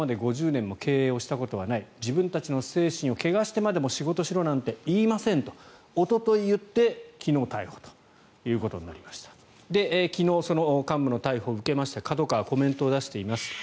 ５０年も経営したことはない自分たちの精神を汚してまでも仕事しろなんて言いませんとおととい、言って昨日逮捕ということになりました昨日、その幹部の逮捕を受けましてＫＡＤＯＫＡＷＡはコメントを出しています。